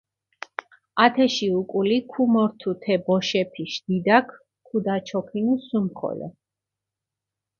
ათეში უკული ქუმორთუ თე ბოშეფიშ დიდაქ, ქუდაჩოქინუ სუმხოლო.